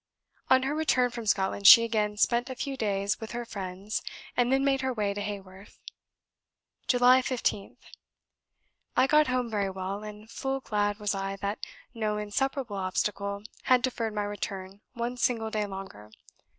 On her return from Scotland, she again spent a few days with her friends, and then made her way to Haworth. "July 15th. I got home very well, and full glad was I that no insuperable obstacle had deferred my return one single day longer.